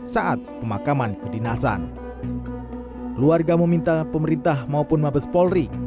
saat pemakaman kedinasan keluarga meminta pemerintah maupun mabes polri